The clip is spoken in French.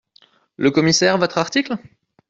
Le Commissaire Votre article ?…